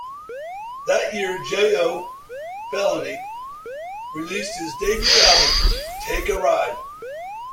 That year, Jayo Felony released his debut album, "Take a Ride".